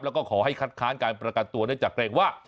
และพาห์ขอให้ครัดค้านการประกันตัวจากเกร็กว่า